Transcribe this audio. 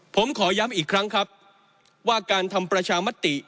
ผมขอย้ำอีกครั้งครับว่าการทำประชามติ